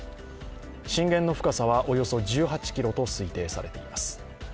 震源の深さはおよそ１８ｋｍと推定されています。